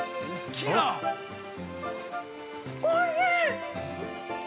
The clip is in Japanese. おいしい！